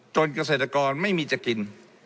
เกษตรกรไม่มีจะกิน